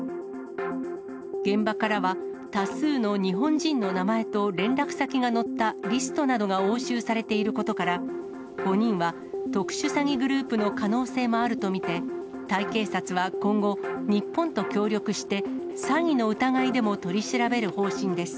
現場からは多数の日本人の名前と連絡先が載ったリストなどが押収されていることから、５人は特殊詐欺グループの可能性もあると見て、タイ警察は今後、日本と協力して、詐欺の疑いでも取り調べる方針です。